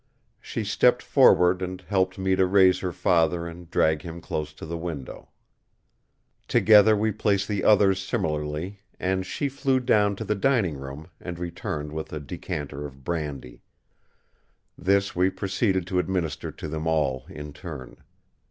She stepped forward and helped me to raise her father and drag him close to a window. Together we placed the others similarly, and she flew down to the dining room and returned with a decanter of brandy. This we proceeded to administer to them all in turn.